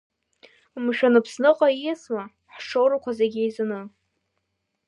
Мшәан, Аԥсныҟа ииасыма, ҳшоурақәа зегь еизаны?